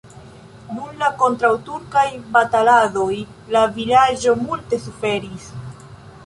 Dum la kontraŭturkaj bataladoj la vilaĝo multe suferis.